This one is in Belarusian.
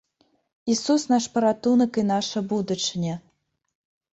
Ісус наш паратунак і наша будучыня!